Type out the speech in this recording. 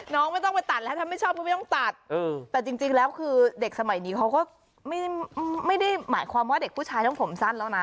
ไม่ต้องไปตัดแล้วถ้าไม่ชอบก็ไม่ต้องตัดแต่จริงแล้วคือเด็กสมัยนี้เขาก็ไม่ได้หมายความว่าเด็กผู้ชายต้องผมสั้นแล้วนะ